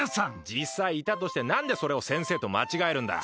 実際いたとして何でそれを先生と間違えるんだ？